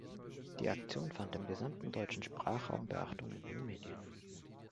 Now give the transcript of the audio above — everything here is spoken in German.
Die Aktion fand im gesamten deutschen Sprachraum Beachtung in den Medien.